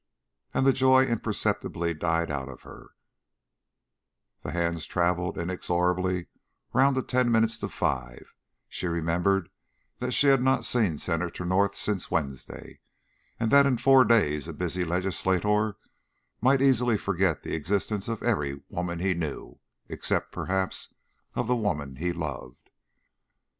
And the joy imperceptibly died out of her; the hands travelled inexorably round to ten minutes to five; she remembered that she had not seen Senator North since Wednesday, and that in four days a busy legislator might easily forget the existence of every woman he knew, except perhaps of the woman he loved.